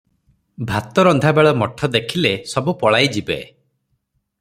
ଭାତରନ୍ଧା ବେଳ ମଠ ଦେଖିଲେ ସବୁ ପଳାଇଯିବେ ।